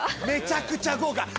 めちゃくちゃ豪華。